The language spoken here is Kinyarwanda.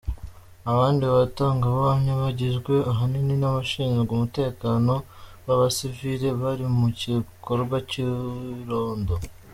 Abandi batangabuhamya bagizwe ahanini n'abashinzwe umutekano b'abasivili bari mu gikorwa cy'irondo .